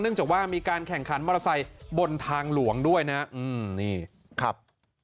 จากว่ามีการแข่งขันมอเตอร์ไซค์บนทางหลวงด้วยนะครับนี่ครับ